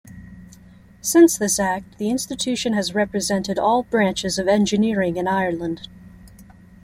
Since this act the institution has represented all branches of engineering in Ireland.